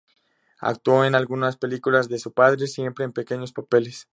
Actuó en algunas películas de su padre, siempre en pequeños papeles.